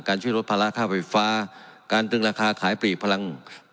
ช่วยลดภาระค่าไฟฟ้าการตึงราคาขายปลีกพลัง